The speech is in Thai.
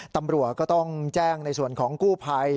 ตำรวจก็ต้องแจ้งในส่วนของกู้ภัย